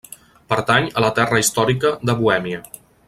Pertany a la terra històrica de Bohèmia.